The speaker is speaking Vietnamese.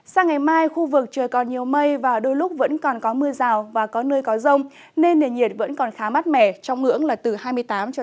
sang ngày mai khu vực trời còn nhiều mây và đôi lúc vẫn còn có mưa rào và có nơi có rông nên nền nhiệt vẫn còn khá mát mẻ trong ngưỡng là từ hai mươi tám độ